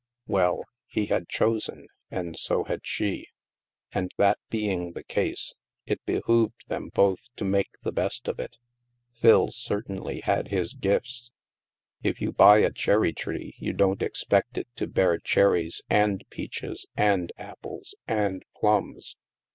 Well, he had chosen, and so had she. And that being the case, it behooved them both to make the best of it. Phil certainly had his gifts. If you buy a cherry tree, you don't expect it to bear cherries and peaches and apples and plums.